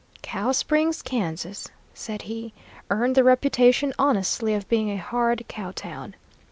"Cow Springs, Kansas," said he, "earned the reputation honestly of being a hard cow town.